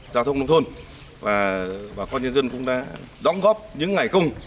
giao thông nông thôn và bà con nhân dân cũng đã đóng góp những ngày công